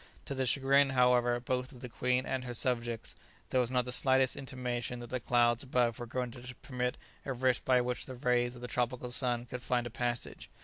To the chagrin, however, both of the queen and her subjects, there was not the slightest intimation that the clouds above were going to permit a rift by which the rays of the tropical sun could find a passage.